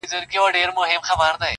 زه به منګی په لپو ورو ورو ډکومه.!